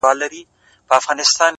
د يوسفي ښکلا له هر نظره نور را اوري;